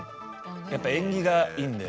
やっぱ縁起がいいんで。